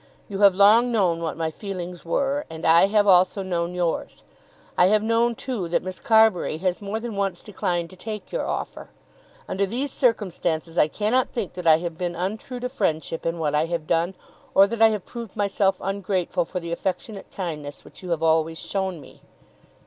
You have long known what my feelings were, and I have also known yours. I have known, too, that Miss Carbury has more than once declined to take your offer. Under these circumstances I cannot think that I have been untrue to friendship in what I have done, or that I have proved myself ungrateful for the affectionate kindness which you have always shown me.